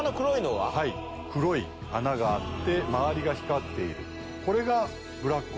はい黒い穴があって周りが光っている。